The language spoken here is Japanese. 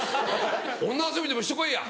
女遊びでもして来いや！」。